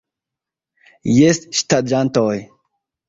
Jes ŝtaĝantoj...